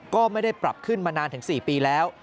ก็ไม่ได้ปรับขึ้นมานานถึง๔ปีแล้ว